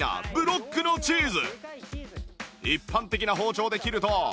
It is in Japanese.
一般的な包丁で切ると